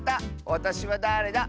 「わたしはだれだ？」